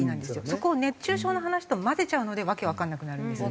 そこを熱中症の話と交ぜちゃうので訳わかんなくなるんです。